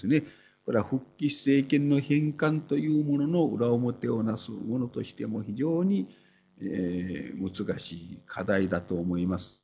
これは復帰施政権の返還というものの裏表をなすものとしても非常に難しい課題だと思います。